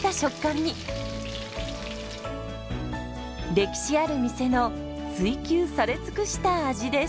歴史ある店の追求され尽くした味です。